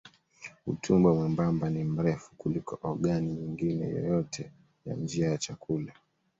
Utumbo mwembamba ni mrefu kuliko ogani nyingine yoyote ya njia ya chakula.